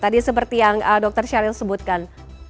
tadi seperti yang dokter syaril sebutkan